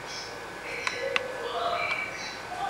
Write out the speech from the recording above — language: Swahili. mabadiliko makubwa yalifanyika katika maisha kwa watanzania